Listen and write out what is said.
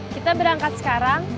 kita berangkat sekarang